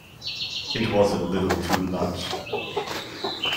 It was a little too much.